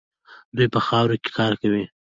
دوی په خاورو کې کار کوي.